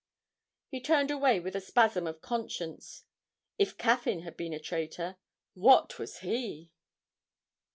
He turned away with a spasm of conscience. If Caffyn had been a traitor, what was he?